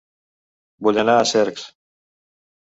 Vull anar a Cercs